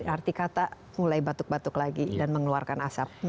arti kata mulai batuk batuk lagi dan mengeluarkan asap